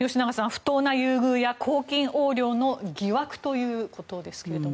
不当な優遇や公金横領の疑惑ということですが。